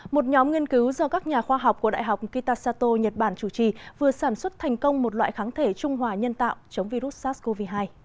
một nhóm nghiên cứu do các nhà khoa học của đại học kitashato nhật bản chủ trì vừa sản xuất thành công một loại kháng thể trung hòa nhân tạo chống virus sars cov hai